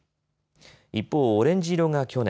一方、オレンジ色が去年。